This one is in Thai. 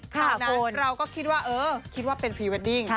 ข่าวนั้นเราก็คิดว่าเออคิดว่าเป็นพรีเวดดิ้ง